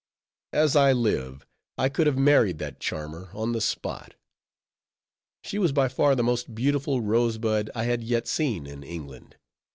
As I live, I could have married that charmer on the spot! She was by far the most beautiful rosebud I had yet seen in England.